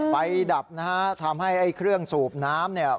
ดับนะฮะทำให้ไอ้เครื่องสูบน้ำเนี่ย